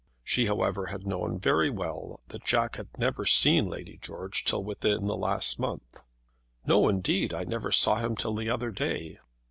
She, however, had known very well that Jack had never seen Lady George till within the last month. "No, indeed; I never saw him till the other day."